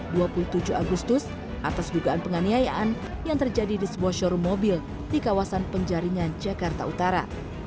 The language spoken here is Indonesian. pernah dikenal penjaringan pada jumat dua puluh tujuh agustus atas dugaan penganiayaan yang terjadi di sebuah showroom mobil di kawasan penjaringan jakarta utara